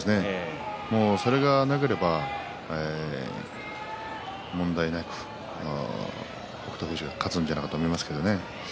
それがなければ問題なく北勝富士が勝つんじゃないかと思います。